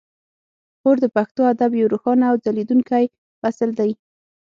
غور د پښتو ادب یو روښانه او ځلیدونکی فصل دی